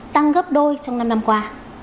tăng gấp đôi trong năm năm qua